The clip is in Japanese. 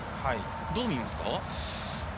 どう見ますか。